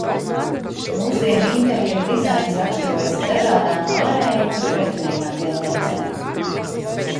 Mūsdienu interjera dizains raksturojas ar dažādām, ārēji pat pretrunīgām tendencēm.